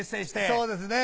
そうですね。